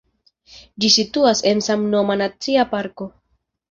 Ĝi situas en samnoma nacia parko.